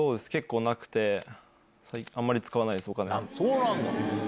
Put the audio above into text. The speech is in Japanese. そうなんだ。